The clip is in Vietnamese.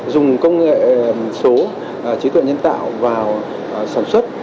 dùng công nghệ số trí tuệ nhân tạo vào sản xuất